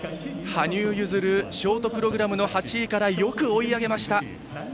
羽生結弦、ショートプログラムの８位からよく追い上げました。